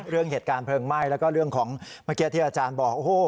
เรื่องเหตุการณ์เพลิงไหม้แล้วก็เรื่องของเมื่อกี้ที่อาจารย์บอกโอ้โห